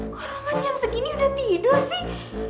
kok roman jam segini udah tidur sih